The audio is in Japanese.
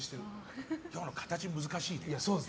今日の形、難しいね。